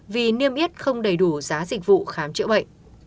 vì niêm yết không đầy đủ giá dịch vụ khám chữa bệnh